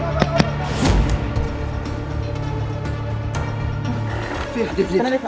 tidak tidak tidak